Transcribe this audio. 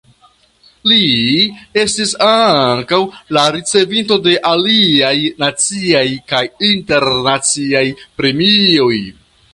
Li estis ankaŭ la ricevinto de aliaj naciaj kaj internaciaj premioj.